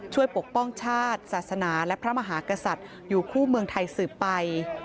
ปกป้องชาติศาสนาและพระมหากษัตริย์อยู่คู่เมืองไทยสืบไป